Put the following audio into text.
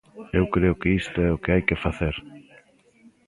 Eu creo que isto é o que hai que facer.